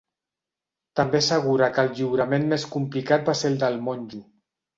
També assegura que el lliurament més complicat va ser el del monjo.